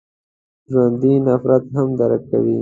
ژوندي نفرت هم درک کوي